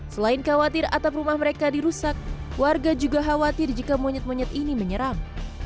selain khawatir atap rumah mereka dirusak warga juga khawatir jika monyet monyet ini menyerang